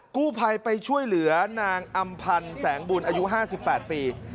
กู้ภัยไปช่วยเหลือนางอำพันธ์แสงบุญอายุ๕๘ปี